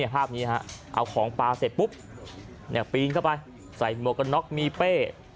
ภาพนี้เอาของปลาเสร็จปุ๊บปีนเข้าไปใส่หมวกกันน็อกมีเป้